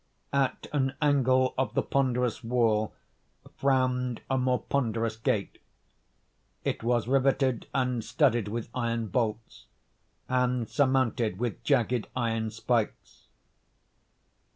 At an angle of the ponderous wall frowned a more ponderous gate. It was riveted and studded with iron bolts, and surmounted with jagged iron spikes.